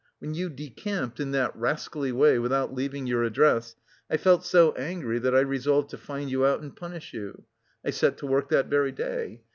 When you decamped in that rascally way without leaving your address, I felt so angry that I resolved to find you out and punish you. I set to work that very day.